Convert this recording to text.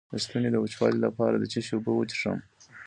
د ستوني د وچوالي لپاره د څه شي اوبه وڅښم؟